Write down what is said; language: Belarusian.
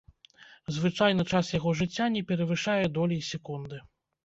Звычайна час яго жыцця не перавышае долей секунды.